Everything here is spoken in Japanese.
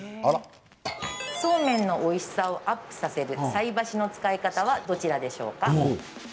そうめんのおいしさをアップさせる菜箸の使い方はどちらでしょうか？